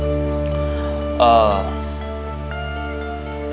yaudah kalau begitu kita kita mau pamit pulang dulu